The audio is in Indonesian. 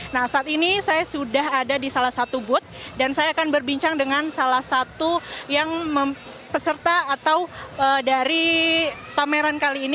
nah saat ini saya sudah ada di salah satu booth dan saya akan berbincang dengan salah satu yang peserta atau dari pameran kali ini